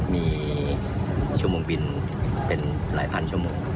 มีชั่วโมงบินเป็นหลายพันชั่วโมง